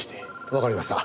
わかりました。